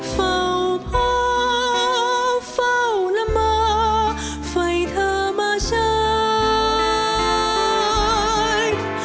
เฝ้าพ่อเฝ้าละเมอไฟเธอมาใช้